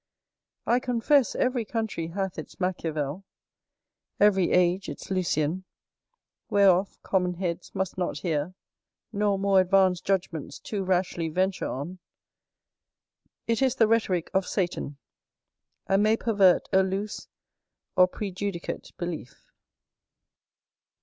I confess every country hath its Machiavel, every age its Lucian, whereof common heads must not hear, nor more advanced judgments too rashly venture on. It is the rhetorick of Satan; and may pervert a loose or prejudicate belief.